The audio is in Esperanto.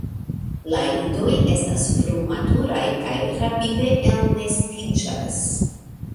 La idoj estas frumaturaj kaj rapide elnestiĝas.